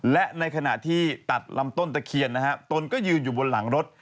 และในขณะที่ตัดลำต้นตะเคียนนะฮะตนก็ยืนอยู่บนหลังรถ